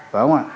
phải không ạ